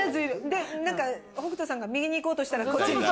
でなんか北斗さんが右に行こうとしたらこっちに。